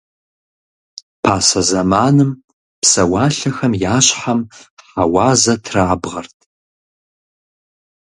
Пасэ зэманым псэуалъэхэм я щхьэм хьэуазэ трабгъэрт.